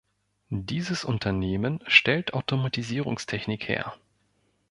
Dieses Unternehmen stellt Automatisierungstechnik her.